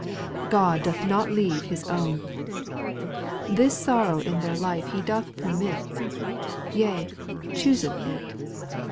/ God doth not leave His own I This sorrow in their life He doth permit — Yea, choose th it.